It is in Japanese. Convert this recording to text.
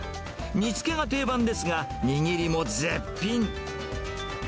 煮つけが定番ですが、握りも絶品。